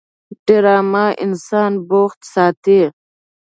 ډرامه انسان بوخت ساتي